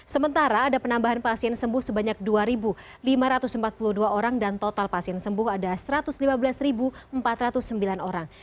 sementara ada penambahan pasien sembuh sebanyak dua lima ratus empat puluh dua orang dan total pasien sembuh ada satu ratus lima belas empat ratus sembilan orang